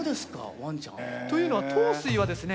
ワンちゃん。というのは桃水はですね